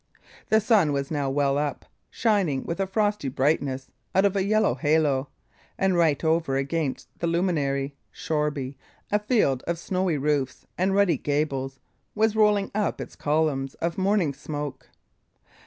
The sun was now well up, shining with a frosty brightness out of a yellow halo, and right over against the luminary, Shoreby, a field of snowy roofs and ruddy gables, was rolling up its columns of morning smoke.